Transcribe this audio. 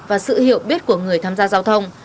và sự hiểu biết của người tham gia giao thông